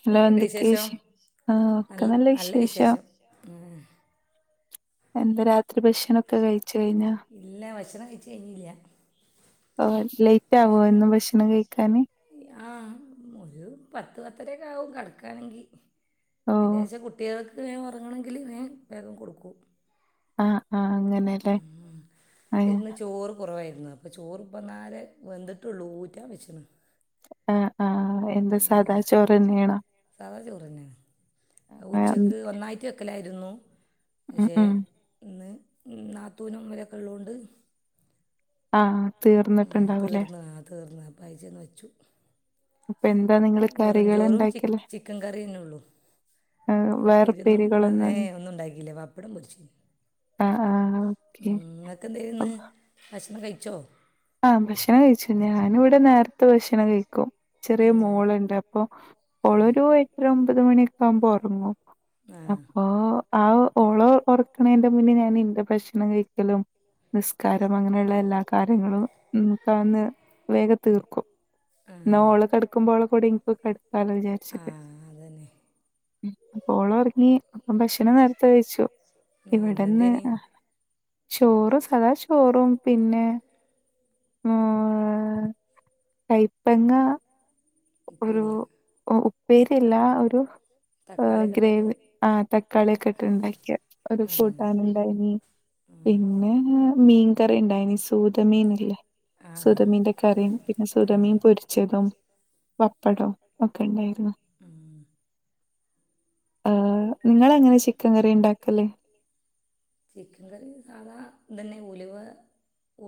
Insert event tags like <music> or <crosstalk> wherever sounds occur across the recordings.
Hello എന്തൊക്കെയുണ്ട് എന്തക്കെ വിശേഷം വിഷേ നല്ല നല്ല വിശേഷം ഉ എന്താ രാത്രി ഭക്ഷനൊക്കെ കഴിച്ചു കഴിഞ്ഞാ ഇല്ല ഭക്ഷണം കഴിച്ച് കഴിഞ്ഞില്ല ഓ ലേറ്റ് ആവോ എന്നും ഭക്ഷണം കഴിക്കാന് ആ ഒരു പത്ത് പത്തരൊക്കെ ആകും കിടക്കാണെങ്കിൽ ഓ അയിന്റെ ശേഷം കുട്ടികൾക്ക് വേഗം ഉറങ്ങണമെങ്കില് വേം വേഗം കൊടുക്കും ആ ആ അങ്ങനെല്ലേ അ ഇന്ന് ചോറ് കുറവായിരുന്നു ചോറ് ഇപ്പന്നാലേ വെന്തിട്ടുള്ളൂ ഊറ്റാ വെച്ക്ണു ആ ആഎന്താ സാദാ ചോറ്ന്നെയണോ തന്നെ ഉച്ചക്ക് ഒന്നായിറ്റ് വെക്കലായിരുന്നു ഉം പക്ഷേ ഉം. ഇന്ന് നാത്തൂനും ഇവരൊക്കെ ഉള്ളോണ്ട് ആ തീർന്നിട്ട്ണ്ടാവുലേ പൈസേം വച്ചു. അപ്പൊ എന്താ നിങ്ങള് കറികൾ വെറുംചോറും ഉണ്ടാക്കിയല്ലേ ചിക്കൻ കറിയന്നെ ഉള്ളു. ആ, പ്പ വേറെ ഇരുന്നു പേരുകളൊന്നും ഏയ് ഒന്നുണ്ടാക്കില്ല പപ്പടം പൊരിച്ചു. ആ ആ ഓക്കെ മ് നിങ്ങക്ക് എന്തായ്നിന്നു ഭക്ഷണം കഴിച്ചോ? ആ ഭക്ഷണം കഴിച്ചു ഞാനിവിടെ നേരത്തെ ഭക്ഷണം കഴി ചെറിയ ആ മോള്ണ്ട് അപ്പൊ ഓളൊരു ആ എട്ടര ഒമ്പത് മണിയെക്കാവുമ്പോ ഒറങ്ങും. ആ അപ്പൊ ആ ഓള ഒറക്കണേന്റെ മുന്നേ ഞാൻ ഇന്റെ ഭക്ഷണം കഴിക്കലും നിസ്കാരം അങ്ങനെയുള്ള എല്ലാ കാര്യങ്ങളും നമുക്കന്ന് വേഗ തീർക്കും. എന്ന ഓള് കടക്കുമ്പോളെ കൂടി ഇനിക്ക് കടുക്കാലോ ആ ആ വിചാരിച്ചിട്ട്. അതന്നെ ഓള് ഒറങ്ങി അപ്പൊ ഭക്ഷണം നേരത്തെ കഴിച്ചു നീ ഇവിടെന്ന് ഇന്നെന്തേന് ചോറ് സദാ ചോറും പിന്നെ ആ കയ്പ്പങ്ങ ഒരു ഉപ്പേരിയ ഉപ്പേരിയല്ല ഒരു തക്കാളിയൊക്കെ ഇട്ടിട്ട് ഗ്രേവി ആ തക്കാളിക്കെ ഇട്ട് ഇണ്ടാക്കിയ ഒരു ആ കൂട്ടാന് ഇണ്ടായിനി. പിന്നെ മീൻകറിണ്ടായിനി സൂര മീനില്ലേ? ആ ആ സുതമീന്റെ കറിം പിന്നെ സുതമീൻ പൊരിച്ചതും പപ്പടം ഒക്കെ ഇണ്ടായിരുന്നു. ഉം. നിങ്ങള് എങ്ങനെ ചിക്കൻ കറി ഇണ്ടാക്കല്? ചിക്കൻ കറി സാധാ തന്നെ ഉലുവ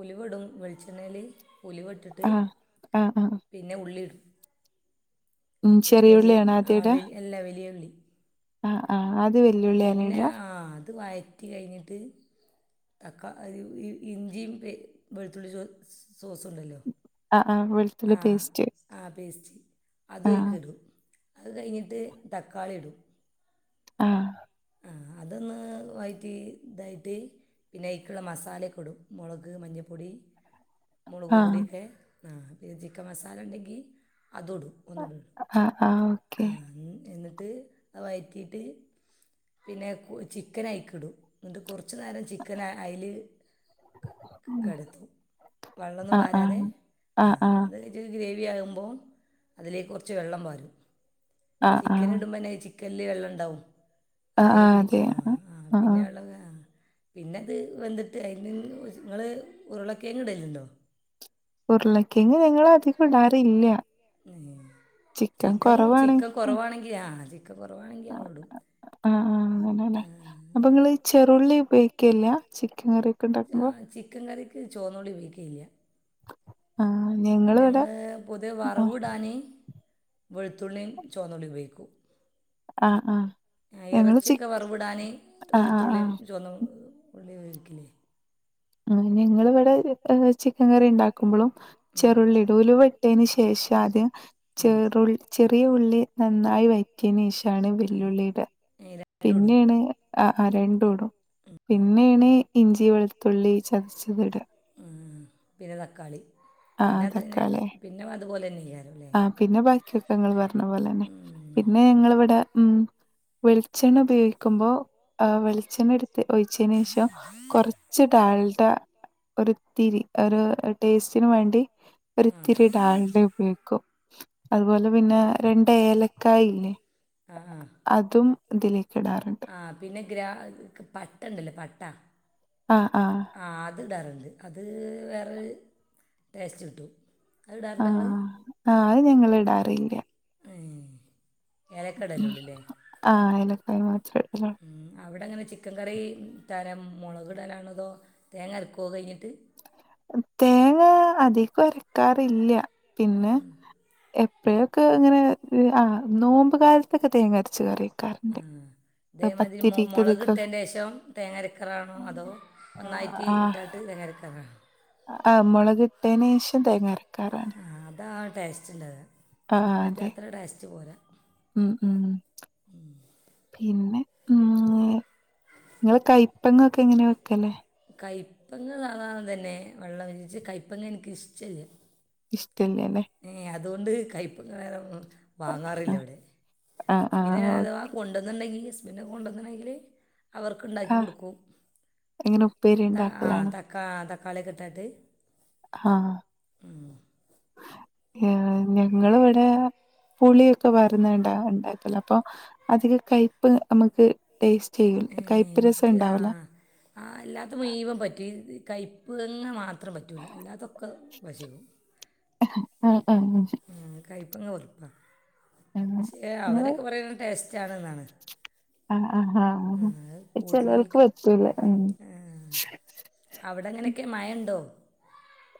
ഉലുവ ഇടും വെളിച്ചെണ്ണേല് ഉലുവട്ടിട്ട് ആഹ് ആഹ് ആഹ് പിന്നെ ഉള്ളി ഇടും. ഉം വലിയ ചെറിയുള്ളിയാണോ ആ വല് അല്ല വലിയുള്ളി. ആ ആ അ പിന്നെ ആ അത് വഴറ്റി കഴിഞ്ഞിട്ട് <inaudible> ആ വെളുത്തുള്ളി ആ പേസ്റ്റ് ആ പേസ്റ്റ് ആ അതൊഴിക്കിടും അത് കഴിഞ്ഞിട്ട് തക്കാളി ഇടും. ആഹ്. ആ അതൊന്ന് വയറ്റി ഇതായിട്ട് പിന്നെ അതിക്കുള്ള മസാലൊക്കെ ഇടും മൊളക് മഞ്ഞപ്പൊടി മുളക് ആഹ് പൊടിയൊക്കെ ആ പിന്നെ ചിക്കൻ മസാലണ്ടെങ്കിൽ അതും ഇടും ഒന്നൂട ആഹ് ആഹ് ഓക്കെ <inaudible> വയ്റ്റീട്ട് പിന്നെ ചിക്കനയ്ക്കിടും. ന്നിട്ട് കുറച്ച് നേരം ചിക്കൻ അയ്ല് <unintelligible> വള്ളൊന്നും ആഹ് പാരാതെ ആഹ് ആഹ് ആഹ് <unintelligible> വേവുമ്പോ അതിലേക്കൊറച്ച് വെള്ളം വാരും ആഹ് ആഹ് ചിക്കനിടുമ്പോ ചി ചിക്കനിൽ വെള്ളണ്ടാവും ആഹ് അതയ്ല് ആഹ് അതെ പിടിക്കും ആഹ് ആ ആഹ് പിന്നെ വെള്ളം പിന്നെ അത് വെന്തിട്ട് അതിന് ഇങ്ങള് ഉരുളകെയങ്ങ് ഇടലുണ്ടോ? ഉരുളക്കിയങ്ങ് ഞങ്ങളധികം ഇടാറില്ല. ചിക്കൻ ചിക്കൻ കൊറവാണെങ്കി ആ ചിക്കൻ കുറവാണെങ്കിൽ ആ ഞങ്ങൾ ഇടും ആ ആ, അങ്ങനന്ന അപ്പൊ ങ്ങള് ചെറുള്ളി ഉപയോഗിക്കല്ല ച ചിക്കൻ കറിയൊക്കെണ്ടാക്കുമ്പോ ചോന്നുള്ളി ഉപേയിക്കയില്ല. ആ. ഞങ്ങള് പൊതുവേ വറവ്ടാന് വെളുത്തുള്ളിം ചൊവന്നുള്ളി ഉപയോഗിക്കും. ആ ആ. ആ ഇറച്ചിയൊക്കെ വറുവിടാന് ആഹ് ആഹ് വെളുത്തുള്ളിയും ആഹ് ചൊന്നു ള്ളിയ <unintelligible> ആ ഞങ്ങള് വടെ ചിക്കൻ കറി ഉണ്ടാക്കുമ്പോളും ഉം, ചെറുള്ളിടും ഉലുവട്ടയ്ന് ശേഷം ആദ്യം ഉം. ചെറുൾ ചെറു ചെറിയ ഉള്ളി നന്നായി വയറ്റിയന് ശേഷാണ് വെല്ലുള്ളിട ഈ രണ്ടും ഇടും പിന്നെണ് ആ ആ രണ്ടുംടും പിന്നേണ് ഇഞ്ചി വെളുത്തുള്ളി ചതച്ചത്ടാ പിന്നെ തക്കാളി പിന്നെ അത് നെ പിന്നെ അതുപോലെന്നെയ്യ ആ പിന്നെ ബാക്കിയൊക്കെ ഇങ്ങൾ പറഞ്ഞ പോലെന്നെ ഉം. പിന്നെ ഞങ്ങൾ വടെ ഉം വെളിച്ചെണ്ണ ഉപയോഗിക്കുമ്പോൾ ആ വെളിച്ചെണ്ണരു ഒഴിച്ചയ്ന് ശേഷം കൊറച്ച് ഡാൾഡ ഒരിത്തിരി ഒരു ടേസ്റ്റ്ന് വേണ്ടി ആ ഒരിത്തിരി ഡാൾഡയുപയോഗിക്കും അതുപോലെ പിന്നെ രണ്ട് ഏലക്കായില്ലേ ആ ആ അതും ഇതിലേക്ക് ഇടാറുണ്ട് ആ പിന്നെ ഗ്രാ പട്ടണ്ടല്ലേ പട്ടാ ആഹ് ആഹ് ആ അത്ടാറ്ണ്ട് അത് വേറൊരു ടേസ്റ്റ് കിട്ടും അത്ടാറ് ണ്ടോങ്ങൾ ആഹ് ആഹ് അത് ഞങ്ങൾ ഇടാറില്ല ഏലക്ക ഇടലുള്ളൂ അല്ലേ ആ ഏലക്കായി മാത്രം അവടെങ്ങനെ ചിക്കൻ കറി തരം മൊളക് ടലാണതോ തേങ്ങ അരക്കോ അത് കഴിഞ്ഞിട്ട് തേങ്ങ അധികം അരക്കാറില്ല പിന്നെ എപ്പൊ പ്പഴൊക്കെ അങ്ങനെ ആ നോമ്പ്കാലത്തൊക്കെ തേങ്ങരച്ച് കറിക്കാറുണ്ട് അതേമാതിരി മൊളക് ട്ടേന്റെഷം തേങ്ങരക്കലാണോ അതോ ഒന്നായിറ്റ് ആ ഇട്ടാണ്ട് തേങ്ങ അരക്കലാണോ ആ മൊളക് ഇട്ടേനേഷം തേങ്ങര ആ അതാണ് ടേസ്റ്റ്ണ്ടാവാ ആ അതെ ഉ ഉം പിന്നെ ഉ നി ഇങ്ങള് കയ്പങ്ങക്കെ എങ്ങനെ വെക്കല് കയ്പങ്ങസാധാ തന്നെ വെള്ളം ഇരിച്ച് കയ്പങ് എനക്ക്ഷ്ടല്ല പിന്നെമ അതുകൊണ്ട് കൈപ്പ വാങ്ങാറില്ല അവടെ ആ ആ പിന്നെ ഓ- അഥവാ കൊണ്ടണ്ടെങ്കി പിന്നെ കൊണ്ടന്ന്ണങ്കില് ആ അവർക്കുണ്ടാക്കി കൊടുക്കും ഇങ്ങനെ ഉപ്പേരി ആ ഉണ്ടാക്കലാണ് തക്കാ തക്കാളിക്കട്ടാട്ട് ആ ഞങ്ങൾ ഇവടെ പുളിയൊക്കെ വരുന്നണ്ടാ ഉണ്ടാക്കലപ്പൊ അധിക കയ്പ്പ് നമക്ക് ഏ എനിക്ക് ആ ആ അല്ലാത്തെമുയ് വൻ പറ്റും ഈ കയപ്പ്ങ്ങ മാത്രം പറ്റൂല്ല അല്ലാതൊക്കെ തിന്നും പക്ഷേ ഉം ഉം ഉ കയ്പങ്ങ വെർറുപ്പ ക്ഷേ നിങ്ങള് അവരൊക്കെ പറയുന്നത് ടേസ്റ്റാണെന്നാണ് അ അ ആ ചേലോൽക്ക് കൂട്ടുന്നവർക്ക് പറ്റൂല ഉ അവിടെങ്ങനൊക്കെ മഴണ്ടോ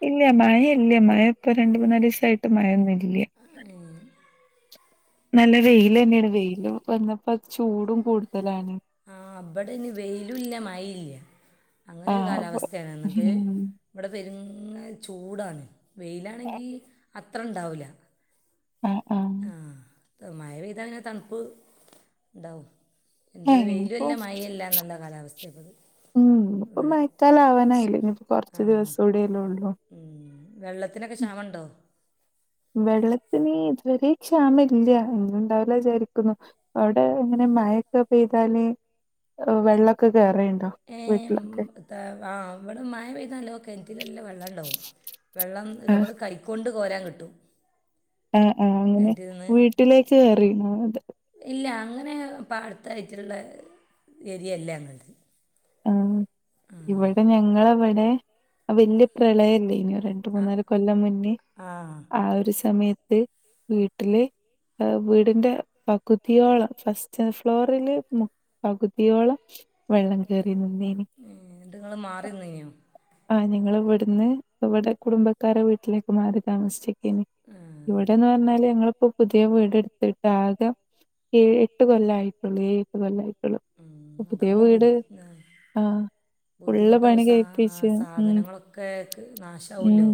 ഇല്ല്യ മഴ ഇല്ല്യ മഴ ഇപ്പ രണ്ട് മൂന്നാലീസായിട്ട് മഴൊന്നുല്ല്യ നല്ല വെയിലെന്നെണ് വെയില് വന്നപ്പോ ചൂടും കൂടു ആ ഇവടെന് വെയിലുല്ല മഴയില്ല അങ്ങനെ ഒരു ആഹ് അപ്പൊ കാലാവസ്ഥയാണ് എന്നിട്ട് ഉം ഇവടെ പെരും ചൂടാണ് വെയിലാണെങ്കി അത്ര ണ്ടാവൂല്ല ആഹ് ആഹ് ആ മഴ പെയ്താ പിന്നെ തണുപ്പ് ണ്ടാവും അയിന്പത് ആഹ് ഇനിയിപ്പോ വെയിലുംല്ല മഴല്ല നല്ല കാലാവസ്ഥപ്പത് ഉം ഇഞ്ഞ്പ്പൊ മയക്കാലാവാനായിലെ ഇനിപ്പ ആ കൊറച്ച് ദിവസൂടില്ലേ ഉള്ളൂ. ഉം. വെള്ളത്തിനൊക്കെ ഉം. ക്ഷാമ ഉണ്ടോ വെള്ളത്തിന് ഇതുവരെ ക്ഷാമ ഇല്ല ഒന്നും ഉണ്ടാവൂല വിചാരിക്കുന്നു അവിടെ എങ്ങനെ മയക്ക പെയ്താല് ഓ വെള്ള ഏ ഉം താ ആ ഇവടെ മഴ പെയതാ നല്ലോം കെൻറ്റിൽ നല്ല വെള്ളം ഇണ്ടാവും വെള്ളം ആഹ് നമ്മള് കൈക്കൊണ്ട് കോരാൻ കിട്ടും ആ ആ അങ്ങനെ കിണറ്റിൽ നിന്ന് വീട്ടിലേക്ക് കേറിണോ അത് ഇല്ല അങ്ങനെ പാടത്തായിട്ടുള്ള ഏരിയല്ലങ്ങൾത് ആ ഇവിടെ ഞങ്ങളവിടെ വല്യ പ്രളയല്ലേനു രണ്ട് ആ ആ മൂന്നാല് കൊല്ലം മുന്നേ ആ ആ ഒരു സമയത്ത് വീട്ടില് വീടിന്റെ പകുതിയോളം ഫസ്റ്റ് ഫ്ലോറില് പകുതിയോളം വള്ളം മത്ങ്ങള് മാറിന്നീനോ ആ ഞങൾ ഇവിടുന്ന് ഇവിടെ കുടുംബക്കാരെ വീട്ടിലേക്ക് മാറി താമസിച്ച് <unintelligible> ആ ഇവിടെന്ന് പറഞ്ഞാല് ഞങ്ങള് ഇപ്പൊ പുതിയ വീടെടുത്തിട്ട് ആകെ ഏഴ് എട്ട് കൊല്ലായിട്ടുള്ളൂ ഏഴ് എട്ട് കൊല്ലായി ഉം. പുതിയ അതാവുമ്പോൾ വീട് ബുദ്ധി ആ, ആ ഫുള്ള് ബുദ്ധിമുട്ടാവും പണി സാ കഴിറ്റ ആ സാധനങ്ങളൊക്കെ നാശവല്ലോ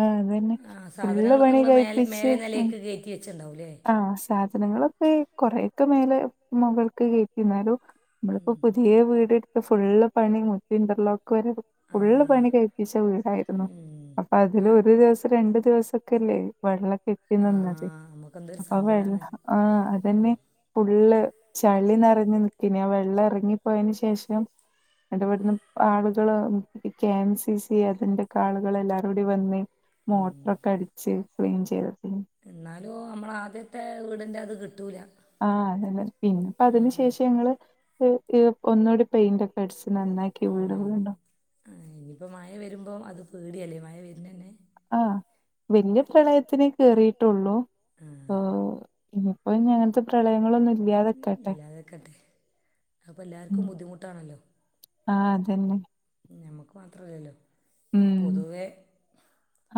ആ അതന്നെ ഫുള്ള് പണി മേലെ കഴപ്പിച്ച് മേലെ ഉ നിലയ്ക്ക് കയറ്റി വെച്ചിട്ടുണ്ടാവൂലേ ആ സാധനങ്ങളൊക്കെ കൊറെയൊക്കെ മേലെ മുകൾക്ക് കേറ്റി ന്നാലും നമ്മളിപ്പോ ഉം. പുതിയ വീട് എടുത്ത് ഫുള് പണി മുച്ച ഇന്റർലോക്ക് ആ ഫുള്ള് പണി കഴപ്പിച്ച വീടായിരുന്നു ഉം. അപ്പൊ ആ അതില് ഒരു ദിവസം രണ്ടു ദിവസംക്കെല്ലേ വെള്ളം കെട്ടി ആ നിന്നത് നമുക്കെന്തൊരു അപ്പൊ വെള്ള ആ സങ്കടമാണ് അതന്നെ ഫുള്ള് ചള്ളിന്ന്റഞ്ഞു നിക്കിന വെള്ളം ഇറങ്ങിപ്പോയന് ശേഷം ന്നട്ട് ഇവിടന്ന് ആളുകള് കെ എം സി സി അതിന്റെക്കെ ആളുകൾ എല്ലാരും കൂടി വന്നേ മോട്ടറൊക്കെ അടിച്ച് ക്ലീൻ ചെയ്ത എന്നാലും നമ്മള ആദ്യത്തെ വീടിന്റെ അത് കിട്ടൂല ആഹ അത പിന്നെ അപ്പ അതിന് ശേഷം ഞങ്ങള് ഒന്നൂടി പെയിന്റ് ഒക്കെ അട നന്നാക്കിയ ആ വീട് ഇനി- വീണ്ടും പേടിയാലേ മഴ വരുന്നന്നെ ആഹ വല്യ പ്രളയത്തിനെ കയറിയിട്ടുള്ളൂ ആ ഏ ഇനിയിപ്പോ അങ്ങത്തെ പ്രള യങ്ങളൊന്നും ഇല്ലാതകട്ടെ അപ്പൊ എല്ലാവർക്കും ബുദ്ധിമുട്ടാണല്ലോ ആഹ അതന്നെ നമുക്ക് മാത്രല്ലല്ലോ ഉം പൊതുവേ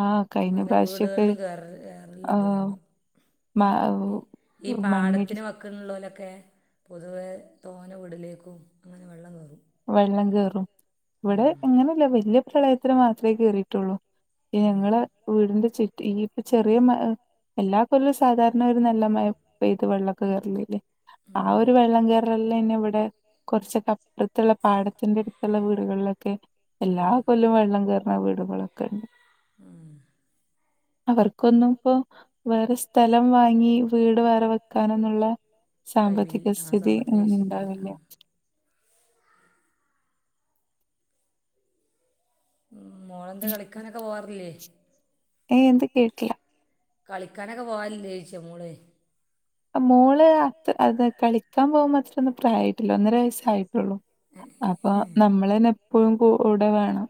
ആഹ് കഴിഞ്ഞ പല പ്രാവശ്യൊക്കെ വീടുകളിലും കേറലുണ്ട് ആഹ് വെള്ളം മ ഈ മണ്ണിടി പാടത്തിന് വക്കള്ളലൊക്കെ ഒറ്റേ പൊതുവെ തോന വീടിലേക്കും അങ്ങനെ വെള്ളം കയറും വെള്ളം കേയറും ഇവിടെ ഉം. അങ്ങനെയല്ല വലിയ പ്രളയത്തിന് മാത്രമേ കേയറിയിട്ടുള്ളൂ ആ ഞങ്ങള് വീടിന്റെ ചുറ്റ ഈ ഇപ്പ ചെറിയ എല്ലാ ഇല സാധാരണ ഒരു നല്ല മഴ പെയ്ത് വെള്ളമൊക്കെ കേയറലല്ലേ ആ ഉം. ഒരു വെള്ളം കയറലെ ഇവിടെ കുറച്ചൊക്കെ അ ടുത്തുള്ള പാടത്തിന്റെ അടുത്തുള്ള വീടുകളിലൊക്കെ ആ എല്ലാ കൊല്ലവും വെള്ളം കയറുന്ന വീടുകളൊക്കെ ഉണ്ട് ആഹ അവർക്കൊന്നും ഇപ്പോൊ വേറെ സ്ഥലം വാങ്ങി വീട് വേറെ വെക്കാനെന്നുള്ള കഴിവില്ല സാമ്പത്തിക ആ സ്ഥിതി സാമ്പത്തിക ശേഷി ഉണ്ടാവില്ല ആ മോളെന്താ കളിക്കാനൊക്കെ പോവാാറില്ലേ ഏ എന്ത് കേട്ടല കളിക്കാനൊക്കെ പോവില്ലേ ചേിച്ചി മോള് മോള് അത്ര അത് കളിക്കാൻ പോകുമ മാത്ര ഒന്നും പ്രായട്ടില്ലോ ഒന്നര വയസായിട്ട അപ്പൊ നമ്മളന്ന എപ്പഴും കൂൂടെ വേണം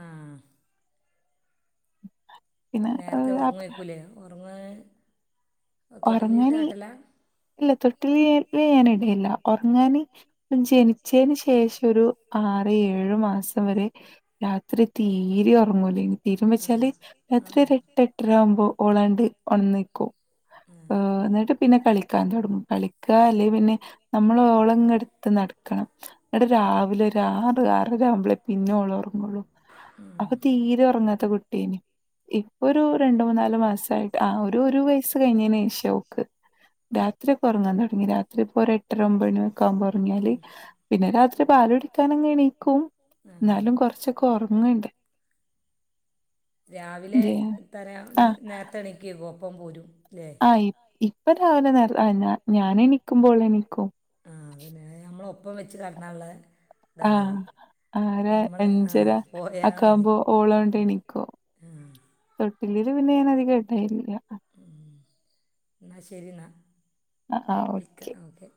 ആഹ പിന്നെ നേരത്തെ ആഹ് ഉറങ്ങ വയ്ക്കലേ ഉറങ്ങൻ ഉറങ്ങാന ഇല്ല ത വ്യൻ ഇടയില്ല ഉറങ്ങാൻ ജനിച്ചതിന് ശേഷം ഒരു ആറ് ഏഴ് ഏഴു മാസം വരെ രാത്രി തീരെ ഉറങ്ങൂലെ തീരു ആ വെച്ചാല് ആ ആ രാത്രി എട്ട് എട്ടര ആകുമ്പോൾ ഓളാണ്ട് ഉണന്ന്ക്കും ഉം എന്നിട്ട് പിന്നെ കളിക്കാൻ തുൊടങ്ങും കളിക്കാ അല്ലെങ്കിൽ പിന്നെ നമ്മൾ ളങ്ങെടുത്ത് നടക്കണം ഇടെ രാവിലെറ് ആര രാവുമ്പോളേ പിന്നള ഉറങ്ങുള്ളൂ അപ്പൊ തീരെ ഉറങ്ങ ത്തെ കുട്ട ഇപ്പൊ ഒരു രണ്ടൂന്നല് മാസട്ട് ആ വയ ആ ഇങ്ങനെഷോക്ക് രാത്രിയ ഒക്കെ ഉറങ്ങാൻ തുടങ്ങി രാത്രി ഇപ്പോൊ ഒരു എട്ടര ഒമ്പ മണി ഒെക്ക ആകുമ്പോ ഉറിയാല് പിന്നെ രാത്രി ാലടിക്കാനങ്ങ എണീക്കും ആ എന്നാലും കൊറച്ചൊക്കെ ഉറങ്ങണ്ട് രാവിലെ ജെ തരാ നേരത്തെണക്ക്കോ ഒപ്പം പോരും അല്ലേ ആഹ് ഇപ്പൊ രാവിലെ ഞാനേ നൽിക്കുമ്പോളെ നിക്കൂ ആ അതന്നെ നമ്മള ഒപ്പം വെച്ച് കടന്നാള്ള ആഹ ആരാ ആ അഞ്ചര ആക്ക പോയാൽ മതി ആകുമ്പോ ഓളൗണ്ട് എണിക്കോ ആ തൊട്ടില്ലീല് പിന്നെ ഞൻ അധികം കേട്ടായില്ല ഉം. എന്നാൽ ശരി എന്നാൽ ആ ആ വിൽക്കാം ഓക്കെ